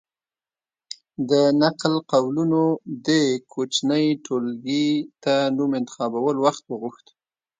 د نقل قولونو دې کوچنۍ ټولګې ته نوم انتخابول وخت وغوښت.